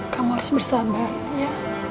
kamu harus bersabar ya